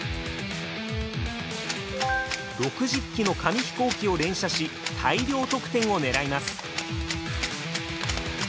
６０機の紙飛行機を連射し大量得点を狙います。